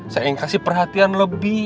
saya ingin kasih perhatian lebih